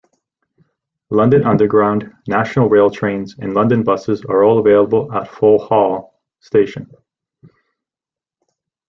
London Underground, National Rail trains, and London buses are all available at Vauxhall station.